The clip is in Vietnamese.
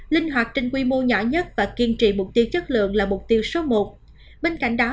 linh hoạt trên quy mô nhỏ nhất và kiên trì mục tiêu chất lượng là mục tiêu số một bên cạnh đó